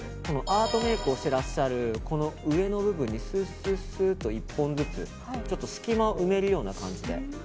アートメイクをしていらっしゃるこの上の部分にすすっと１本ずつ隙間を埋めるような感じで。